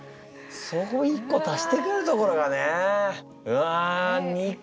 そこ一個足してくるところがね。